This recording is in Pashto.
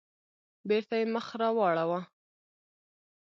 بېرته يې مخ راواړاوه.